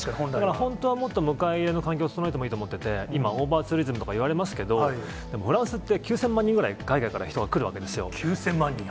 本当はもっと、迎え入れの環境を作ればいいと思ってて、今、オーバーツーリズムとかいわれますけれども、でもフランスって、から海外から人が来るわけですね。